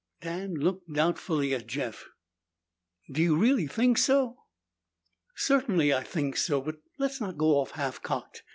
Dan looked doubtfully at Jeff. "Do you really think so?" "Certainly I think so, but let's not go off half cocked.